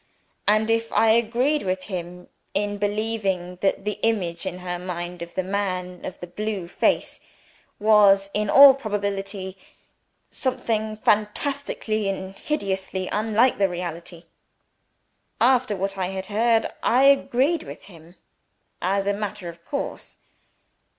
and if I agreed with him in believing that the image in her mind of the man with the blue face, was in all probability something fantastically and hideously unlike the reality? After what I had heard, I agreed with him as a matter of course.